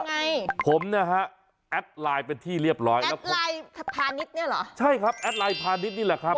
ยังไงผมไนฮะแอพไลน์เป็นที่เรียบร้อยแอพไลน์หรอใช่ครับแอพไลน์นี่แหละครับ